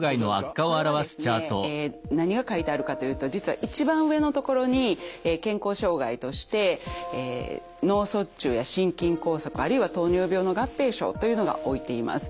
これはですね何が書いてあるかというと実は一番上の所に健康障害として脳卒中や心筋梗塞あるいは糖尿病の合併症というのが置いています。